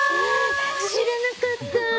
知らなかった。